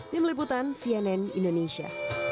tim liputan cnn indonesia